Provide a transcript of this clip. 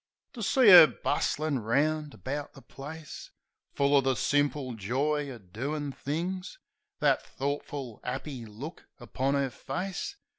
To see 'er bustlin' 'round about the place, Full of the simple joy o' doin' things. That thoughtful, 'appy look upon 'er face.